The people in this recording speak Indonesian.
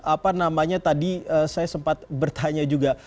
apa namanya tadi saya sempat bertanya juga